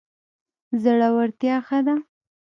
زړورتیا ښه ده.